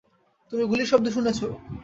তুমি গুলির শব্দ শুনেছো?